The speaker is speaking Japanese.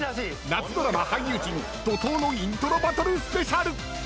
夏ドラマ俳優陣怒涛のイントロバトルスペシャル。